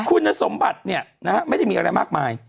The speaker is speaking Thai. คุณนสมบัตินะไม่ได้มีอะไรมากมาย